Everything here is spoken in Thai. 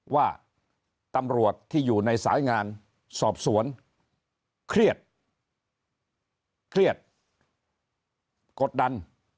ว่าตำรวจที่อยู่ในสายงานสอบสวนเครียดเครียดกดดัน